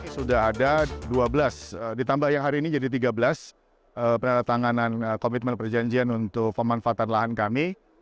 sudah ada dua belas ditambah yang hari ini jadi tiga belas penandatanganan komitmen perjanjian untuk pemanfaatan lahan kami